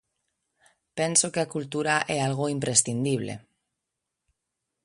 Penso que a cultura é algo imprescindible.